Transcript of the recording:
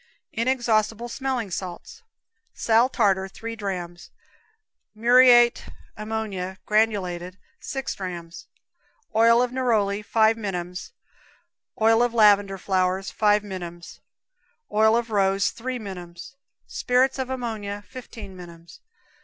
Inexhaustible Smelling Salts. Sal tartar, three drams; muriate ammonia, granulated, 6 drams; oil neroli. 5 minims; oil lavender flowers, 5 minims; oil rose, 3 minims; spirits ammonia, 15 minims.